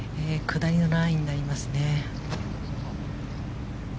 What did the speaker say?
下りのラインになりますね。